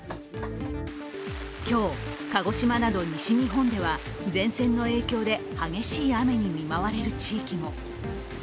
今日、鹿児島など西日本では前線の影響で激しい雨に見舞われる地域も。